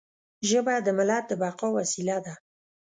ژبه د ملت د بقا وسیله ده.